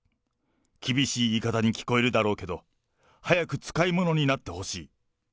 厳しい言い方に聞こえるだろうけど、早く使いものになってほしい。